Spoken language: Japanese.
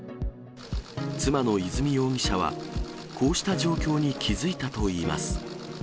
妻の和美容疑者は、こうした状況に気付いたといいます。